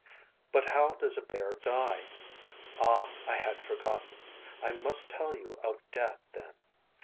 But how does a bear die? Ah, I had forgotten. I must tell you of death, then.